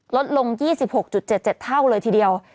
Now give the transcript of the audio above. ลดลง๒๖๗๗เท่าเลยทีเดียว